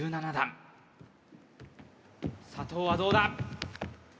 段佐藤はどうだ？